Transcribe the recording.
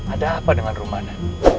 ada apa dengan rumahnya